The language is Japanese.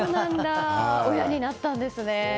親になったんですね。